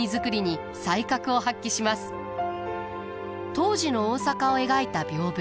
当時の大阪を描いた屏風。